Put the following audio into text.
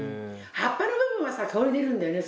葉っぱの部分はさ香り出るんだよね